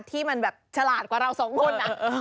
ที่มันแบบฉลาดกว่าเราสองคน